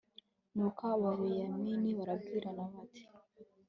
nuko ababenyamini barabwirana bati